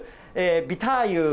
ビターユー。